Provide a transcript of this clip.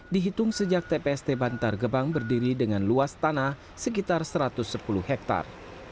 dihitung sejak tpst bantar gebang berdiri dengan luas tanah sekitar satu ratus sepuluh hektare